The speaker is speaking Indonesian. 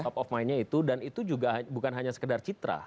top of mind nya itu dan itu juga bukan hanya sekedar citra